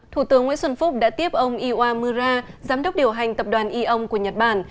thủ tướng nguyễn xuân phúc đã tiếp ông iwa mura giám đốc điều hành tập đoàn eon của nhật bản